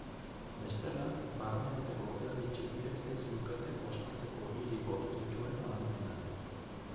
Bestela, barnealdeko herri txikiek ez lukete kostaldeko hiri boteretsuen ahalmena.